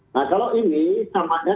nah kalau ini sama sama